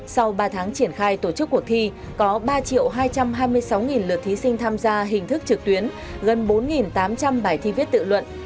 sau ba tháng triển khai tổ chức cuộc thi có ba hai trăm hai mươi sáu lượt thí sinh tham gia hình thức trực tuyến gần bốn tám trăm linh bài thi viết tự luận